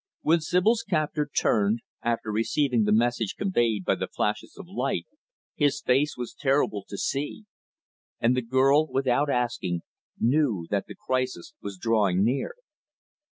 When Sibyl's captor turned, after receiving the message conveyed by the flashes of light, his face was terrible to see; and the girl, without asking, knew that the crisis was drawing near.